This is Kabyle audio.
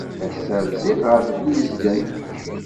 Ass-a rziɣ ɣer Wizgan.